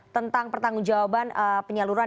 tentang pertanggung jawaban penyaluran